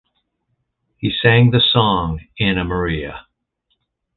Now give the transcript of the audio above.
He sang the song "Annamaria".